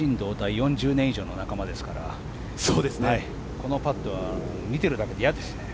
４０年以上の仲間ですからこのパットは見ているだけで嫌ですね。